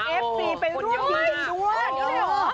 เอฟซีไปร่วมดีด้วย